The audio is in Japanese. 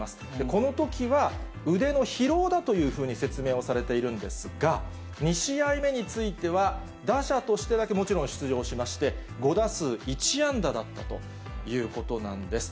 このときは、腕の疲労だというふうに説明をされているんですが、２試合目については、打者としてだけ、もちろん出場しまして、５打数１安打だったということなんです。